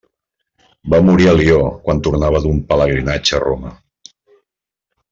Va morir a Lió quan tornava d'un pelegrinatge a Roma.